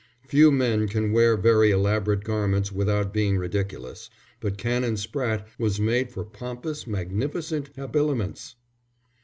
Few men can wear very elaborate garments without being ridiculous, but Canon Spratte was made for pompous, magnificent habiliments.